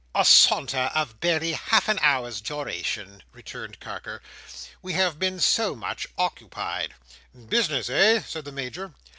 "A saunter of barely half an hour's duration," returned Carker. "We have been so much occupied." "Business, eh?" said the Major.